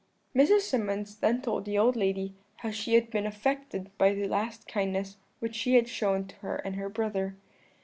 "Mrs. Symonds then told the old lady how she had been affected by the last kindness which she had shown to her and her brother.